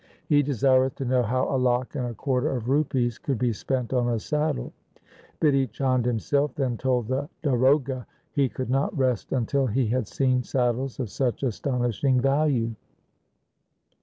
He desireth to know how a lakh and a quarter of rupees could be spent on a saddle.' Bidhi Chand himself then told the darogha he could not rest until he had seen saddles of such astonishing value.